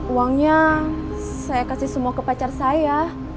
uangnya saya kasih semua ke pacar saya